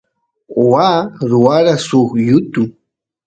waa ruwara suk yutu